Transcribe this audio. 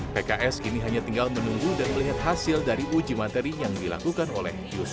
pks kini hanya tinggal menunggu dan melihat hasil dari uji materi yang dilakukan oleh yusuf